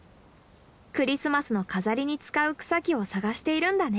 クリスマスの飾りに使う草木を探しているんだね。